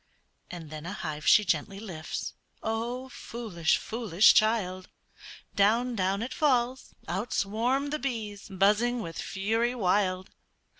And then a hive she gently lifts, Oh, foolish, foolish child, Down, down it falls out swarm the bees Buzzing with fury wild.